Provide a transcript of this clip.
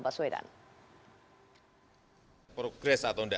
bagaimana menurut pak soedan